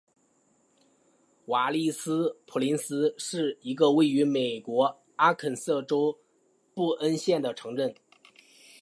瓦利斯普林斯是一个位于美国阿肯色州布恩县的城镇。